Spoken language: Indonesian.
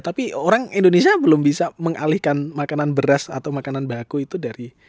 tapi orang indonesia belum bisa mengalihkan makanan beras atau makanan baku itu dari